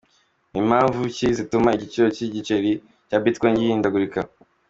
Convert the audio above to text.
Ni mpamvu ki zituma igiciro cy’igiceri cya Bitcoin gihindagurika?.